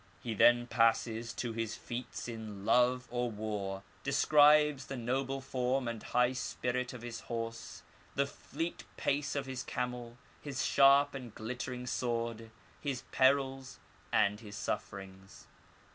He then passes to his feats in love or war, describes the noble form and hi^h spirit of his horse, the fleet pace of his camel, his sharp and glittering sword, his perils and his sufferings.